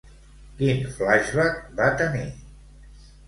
Quin flashback va tenir?